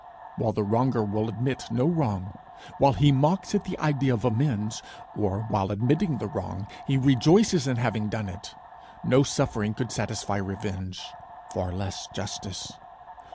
While the wronger will admit no wrong, while he mocks at the idea of amends, or while, admitting the wrong, he rejoices in having done it, no suffering could satisfy revenge, far less justice.